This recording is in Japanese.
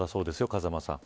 風間さん。